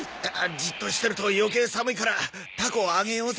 じっとしてると余計寒いからたこを揚げようぜ。